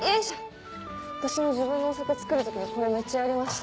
私も自分のお酒造る時にこれめっちゃやりました。